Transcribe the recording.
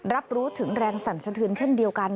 รับรู้ถึงแรงสั่นสะเทือนเช่นเดียวกัน